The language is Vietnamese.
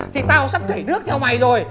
thì tao sắp chảy nước theo mày rồi